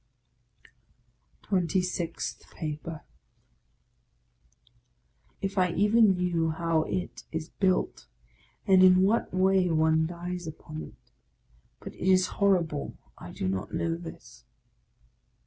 TWENTY SIXTH PAPER IF I *ven knew how it is built, and in what way one dies upon it; but it is horrible I do not know this.